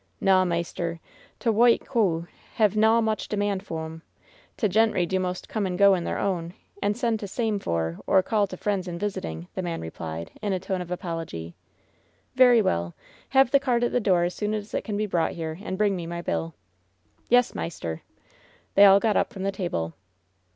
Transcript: "Naw, maister, t' Whoit Coo hev naw much demand fo' 'm. T' gentry do most come and go in their own, and send t' same for or call t' friends in visiting," the man replied, in a tone of apology. "Very well. Have the cart at the door as soon as it can be brought here, and bring me my bilL" "Yes, maister." They all got up from the table.